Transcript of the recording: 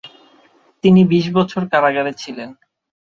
তিনি বিশ বছর কারাগারে ছিলেন।